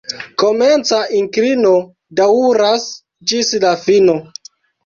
Komenca inklino daŭras ĝis la fino.